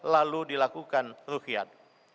lalu dilakukan ruhyat